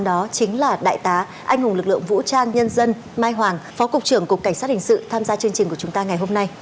đó chính là đại tá anh hùng lực lượng vũ trang nhân dân mai hoàng phó cục trưởng cục cảnh sát hình sự tham gia chương trình của chúng ta ngày hôm nay